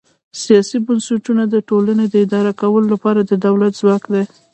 سیاسي بنسټونه د ټولنې د اداره کولو لپاره د دولت ځواک دی.